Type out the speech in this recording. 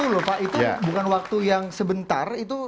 dua ribu dua puluh satu loh pak itu bukan waktu yang sebentar